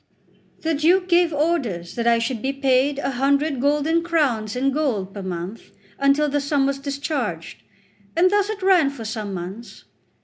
The Duke gave orders that I should be paid a hundred golden crowns in gold per month, until the sum was discharged; and thus it ran for some months.